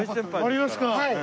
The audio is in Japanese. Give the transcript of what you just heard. ありますか！